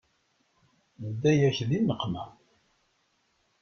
Nedda-yak di nneqma.